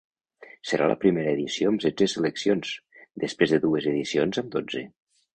Serà la primera edició amb setze seleccions, després de dues edicions amb dotze.